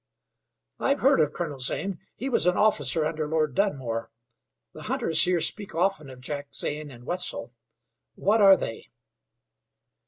"I've heard of Colonel Zane. He was an officer under Lord Dunmore. The hunters here speak often of Jack Zane and Wetzel. What are they?"